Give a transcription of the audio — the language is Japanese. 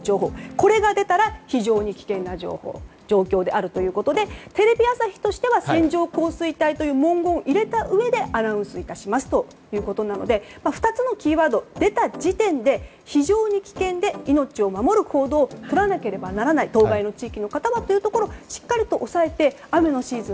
これが出たら非常に危険な状況であるということでテレビ朝日としては線状降水帯という文言を入れたうえでアナウンス致しますということなので２つのキーワードが出た時点で非常に危険で命を守る行動をとらなければならない当該の地域の方はというところはしっかり押さえて雨のシーズン